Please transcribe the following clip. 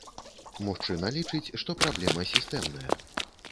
Мужчына лічыць, што праблема сістэмная.